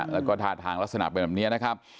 แล้วก็ท่าทางลักษณะเป็นแบบนี้นะครับ